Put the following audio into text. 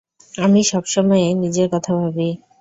আমি সবসময়েই নিজের কথা ভাবি।